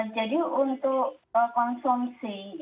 jadi untuk konsumsi